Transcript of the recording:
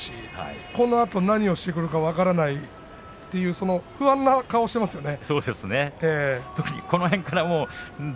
このあと何してくるか分からないという不安な顔してますよね